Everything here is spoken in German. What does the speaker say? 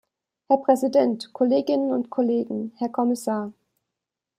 Herr Präsident, Kolleginnen und Kollegen, Herr Kommissar!